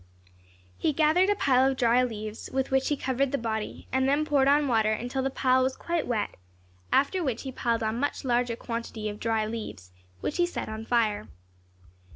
He gathered a pile of dry leaves, with which he covered the body, and then poured on water until the pile was quite wet; after which he piled on a much larger quantity of dry leaves, which he set on fire.